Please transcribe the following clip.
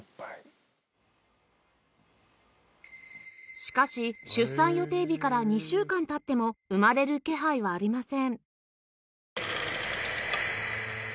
しかし出産予定日から２週間経っても生まれる気配はありません